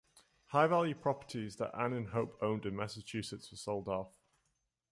High-value properties that Ann and Hope owned in Massachusetts were sold off.